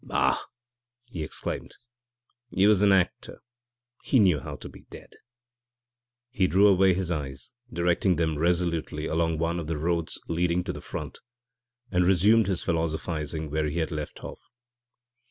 'Bah!' he exclaimed; 'he was an actor he knows how to be dead.' He drew away his eyes, directing them resolutely along one of the roads leading to the front, and resumed his philosophizing where he had left off.